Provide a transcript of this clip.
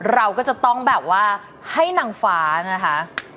เราก็จะต้องแบบว่าให้นางฟ้านะคะ